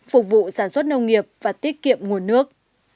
phục vụ sản xuất nông nghiệp và tiết kiệm nguồn nước